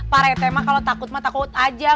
parete mah kalau takut mah takut aja